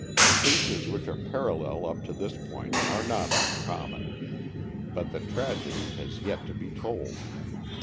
Cases which are parallel up to this point are not uncommon. But the tragedy has yet to be told.